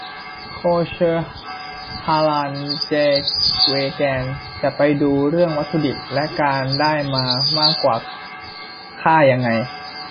โคเชอร์ ฮาลาล เจ เวแกน จะไปดูเรื่องวัตถุดิบและการได้มามากกว่า ฆ่ายังไง